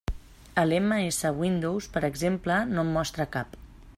El MS Windows, per exemple, no en mostra cap.